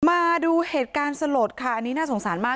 มาดูเหตุการณ์สลดค่ะอันนี้น่าสงสารมาก